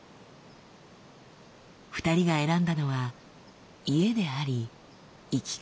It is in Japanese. ２人が選んだのは家であり生き方でした。